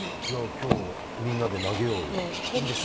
じゃあ今日みんなで投げようよ。